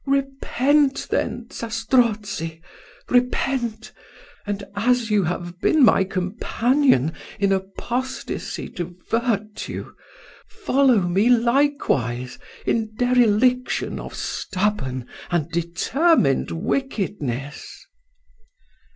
Repent then, Zastrozzi; repent! and as you have been my companion in apostasy to virtue, follow me likewise in dereliction of stubborn and determined wickedness."